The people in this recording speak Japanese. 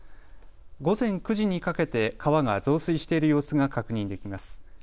午前９時にかけて川が増水している様子が確認できます。